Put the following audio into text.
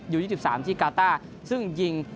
๒๓ที่กาต้าซึ่งยิง